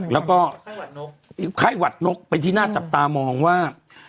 แล้วก็ไข้หวัดนกเป็นที่น่าจับตามองว่า